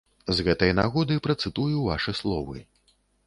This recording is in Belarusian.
З гэтай нагоды працытую вашы словы.